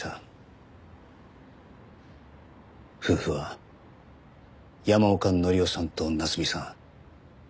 夫婦は山岡紀夫さんと夏美さん。